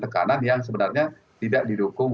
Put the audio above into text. tekanan yang sebenarnya tidak didukung